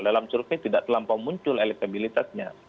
dalam survei tidak terlampau muncul elektabilitasnya